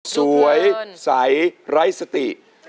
สวยใสไร้สติ